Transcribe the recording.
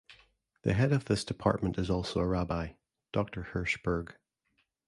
The head of this Department is also a Rabbi, Doctor Hirschberg.